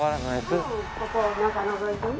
うんここ中のぞいてみ。